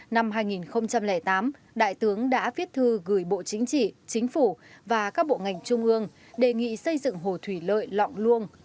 năm hai nghìn tám đại tướng đã viết thư gửi bộ chính trị chính phủ và các bộ ngành trung ương đề nghị xây dựng hồ thủy lợi lọng luông